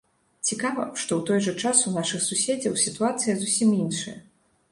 Цікава, што ў той жа час у нашых суседзяў сітуацыя зусім іншая.